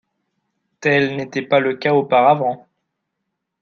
Tel n’était pas le cas auparavant.